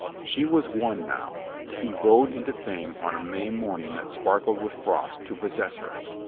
She was won now. He rode into Thame on a May morning that sparkled with frost to possess her.